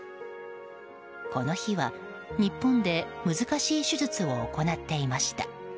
この日は日本で難しい手術を行っていました。